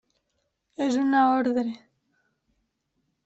És una ordre.